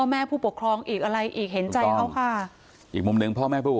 แม่ผู้ปกครองอีกอะไรอีกเห็นใจเขาค่ะอีกมุมหนึ่งพ่อแม่ผู้